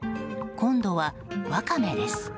今度はワカメです。